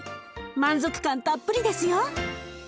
満足感たっぷりですよ！